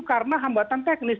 karena hambatan teknis